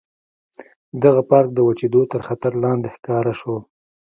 دغه پارک د وچېدو تر خطر لاندې ښکاره شو.